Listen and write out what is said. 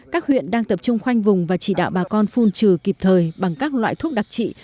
các huyện đang tập trung khoanh vùng và chỉ đạo bà con phun trừ kịp thời bằng các loại thuốc đặc trị